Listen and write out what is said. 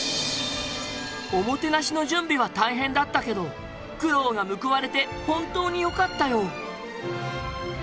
おもてなしの準備は大変だったけど苦労が報われて本当によかったよ。